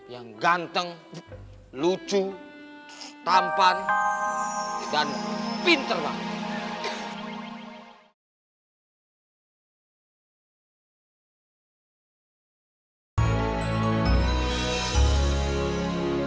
yang ganteng lucu tampan dan pinter banget